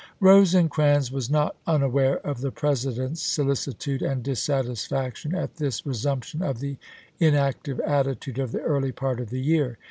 Rosecrans was not unaware of the President's solicitude and dissatisfaction at this resumption of the inactive attitude of the early part of the year.